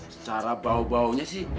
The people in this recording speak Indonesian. secara bau baunya sih